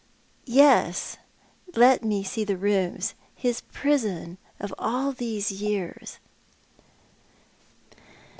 " Yes, let me see the rooms — his prison of all these years."